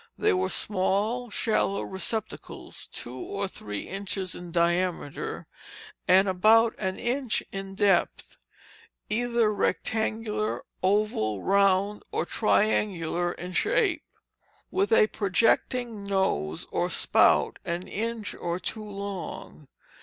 They were small, shallow receptacles, two or three inches in diameter and about an inch in depth; either rectangular, oval, round, or triangular in shape, with a projecting nose or spout an inch or two long.